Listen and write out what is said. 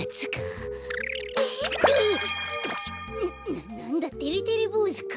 ななんだてれてれぼうずか。